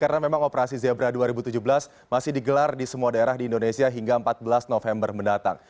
karena memang operasi zebra dua ribu tujuh belas masih digelar di semua daerah di indonesia hingga empat belas november mendatang